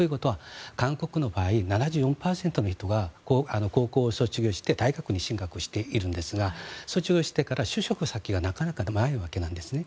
韓国の場合、７４％の人が高校を卒業して大学に進学しているんですが卒業してから就職先がなかなかないわけなんですね。